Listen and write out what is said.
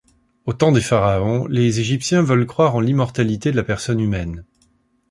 Au temps des pharaons, les égyptiens veulent croire en l'immortalité de la personne humaine.